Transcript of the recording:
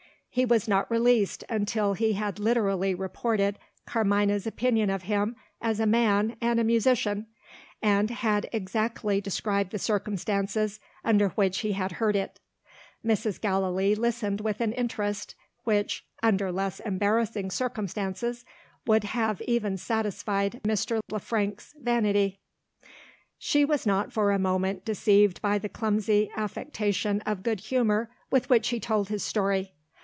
He was not released, until he had literally reported Carmina's opinion of him as a man and a musician, and had exactly described the circumstances under which he had heard it. Mrs. Gallilee listened with an interest, which (under less embarrassing circumstances) would have even satisfied Mrs. Le Frank's vanity. She was not for a moment deceived by the clumsy affectation of good humour with which he told his story.